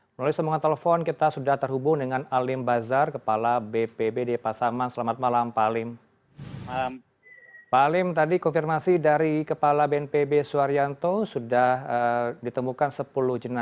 melalui semuanya telepon kita sudah terhubung dengan alim bazar kepala bpbd pasaman